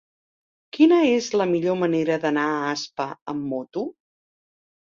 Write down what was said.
Quina és la millor manera d'anar a Aspa amb moto?